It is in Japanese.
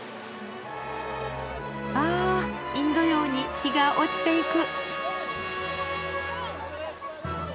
あインド洋に日が落ちていく。